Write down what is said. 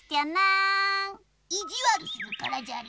いじわるするからじゃり。